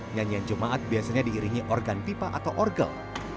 nyanyian jemaat biasanya diiringi organ pipa atau orgel